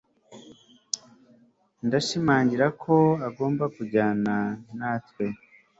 Ndashimangira ko agomba kujyana natwe